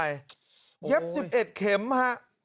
เย็บ๑๑เข็มฮะ